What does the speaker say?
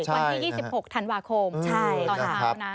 ใช่นะครับวันที่๒๖ธันวาคมตอนนี้นะครับ